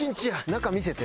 中見せて。